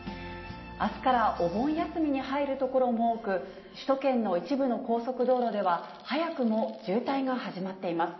あすからお盆休みに入るところも多く、首都圏の一部の高速道路では、早くも渋滞が始まっています。